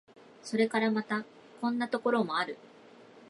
それからまた、こんなところもある。